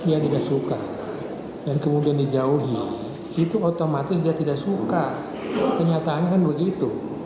dia tidak suka dan kemudian dijauhi itu otomatis dia tidak suka kenyataannya kan begitu